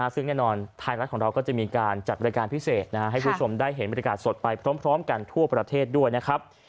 ซึ่งแน่นอนไทยรัฐของเราก็จะมีการจัดบริการพิเศษให้คุณผู้ชมได้เห็นบรรยากาศสดไปพร้อมกันทั่วประเทศด้วยนะครับ